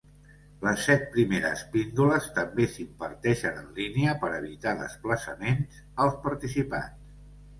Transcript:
Les set primeres píndoles també s'imparteixen en línia per evitar desplaçaments als participants.